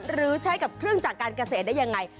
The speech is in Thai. หรือใช้กับเครื่องจากการเกษตรได้ยังไง